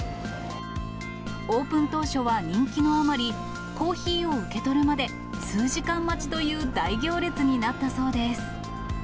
オープン当初は人気のあまり、コーヒーを受け取るまで数時間待ちという大行列になったそうです。